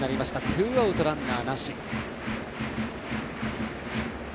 ツーアウトランナーなし。